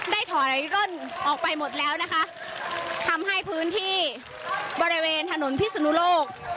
ถอยร่นออกไปหมดแล้วนะคะทำให้พื้นที่บริเวณถนนพิศนุโลก